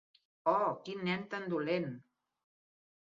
Oh, quin nen tan dolent!